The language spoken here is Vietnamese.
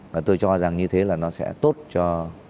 và tôi cho rằng như thế là nó sẽ tốt cho